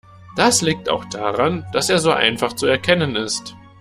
Das liegt auch daran, dass er so einfach zu erkennen ist.